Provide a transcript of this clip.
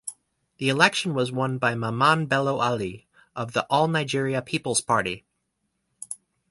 The election was won by Mamman Bello Ali of the All Nigeria Peoples Party.